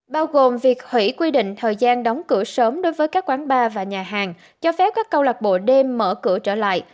bao gồm việc hủy quy định thời gian đóng cửa sớm đối với các quán bar và nhà hàng cho phép các câu lạc bộ đêm mở cửa trở lại